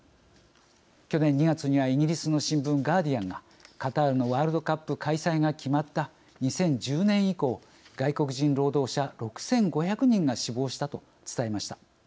去年２月にはイギリスの新聞ガーディアンがカタールのワールドカップ開催が決まった２０１０年以降外国人労働者６５００人が死亡したと伝えました。